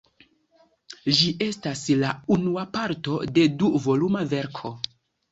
Ĝi estas la unua parto de du-voluma verko.